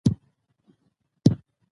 واک باید پوښتنې وزغمي